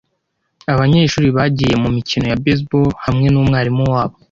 Abanyeshuri bagiye mumikino ya baseball hamwe numwarimu wabo.